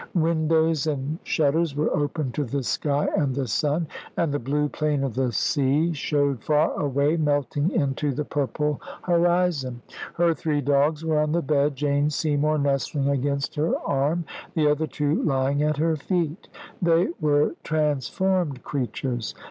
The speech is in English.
Windows and shutters were open to the sky and the sun, and the blue plane of the sea showed far away melting into the purple horizon. Her three dogs were on the bed, Jane Seymour nestling against her arm, the other two lying at her feet. They were transformed creatures.